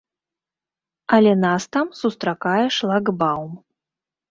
Але нас там сустракае шлагбаум.